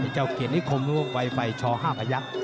เจาเขตนี้คบรู้ว่าไวไฟชอห้าพระยักษณ์